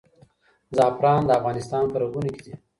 زعفران د افغانستان په رګونو کې ځي.